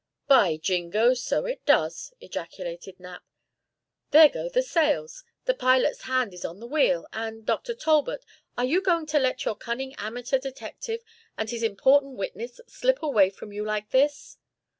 "By jingoes, so it does!" ejaculated Knapp. "There go the sails! The pilot's hand is on the wheel, and Dr. Talbot, are you going to let your cunning amateur detective and his important witness slip away from you like this?"